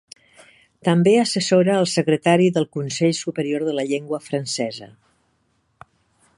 També assessora el secretariat del Consell Superior de la Llengua Francesa.